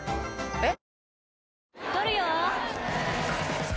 えっ？